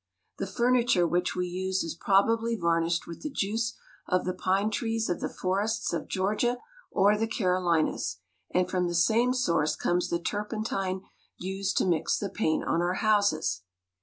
The furniture which we use is probably varnished with the juice of the pine trees of the forests of Georgia or the Carolinas, and from the same source comes the tur pentine used to mix the paint on our houses.